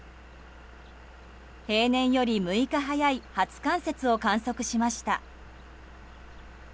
平年より６日早い初冠雪を観測しました。